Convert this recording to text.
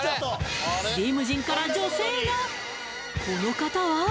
この方は？